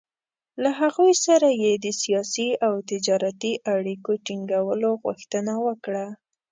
له هغوی سره یې د سیاسي او تجارتي اړیکو ټینګولو غوښتنه وکړه.